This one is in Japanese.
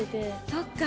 そっか。